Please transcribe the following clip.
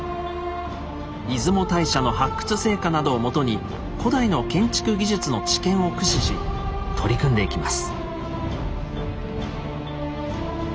出雲大社の発掘成果などをもとに古代の建築技術の知見を駆使し取り組んでいきます。